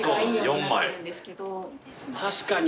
確かに。